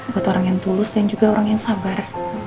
buat orang yang tulus dan juga orang yang sabar